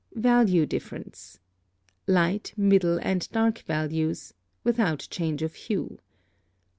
Value difference. Light, middle, and dark values (without change of hue).